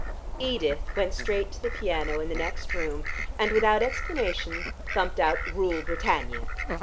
Edith went straight to the piano in the next room, and without explanation, thumped out "Rule Britannia."